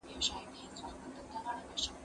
هغه څوک چي قلمان پاکوي منظم وي،